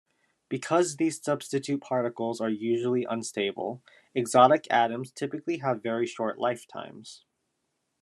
Because these substitute particles are usually unstable, exotic atoms typically have very short lifetimes.